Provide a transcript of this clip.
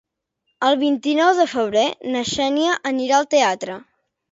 El vint-i-nou de febrer na Xènia anirà al teatre.